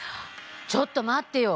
ちょっとまってよ！